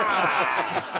ハハハハ！